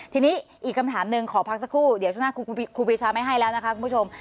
ทีนี้อีกคำถามหนึ่งขอพักสักครู่เดี๋ยวช่วงหน้าครูปีชาไม่ให้แล้วนะคะคุณผู้ชม